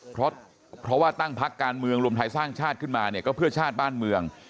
เพราะว่าตั้งพักการเมืองรวมไทยสร้างชาติขึ้นมาเนี่ยก็เพื่อชาติบ้านเมือง